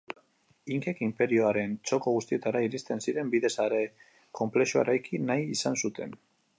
Inkek inperioaren txoko guztietara iristen ziren bide sare konplexua eraiki nahi izan zuten.